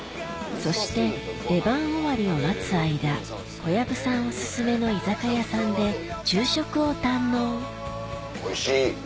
そして出番終わりを待つ間小籔さんおすすめの居酒屋さんで昼食を堪能おいしい。